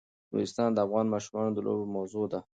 نورستان د افغان ماشومانو د لوبو موضوع ده.